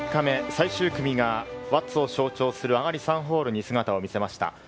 最終組が輪厚を象徴する上がり３ホールに姿を見せました。